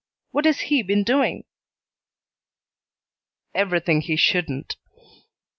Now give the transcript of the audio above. "What has he been doing?" "Everything he shouldn't."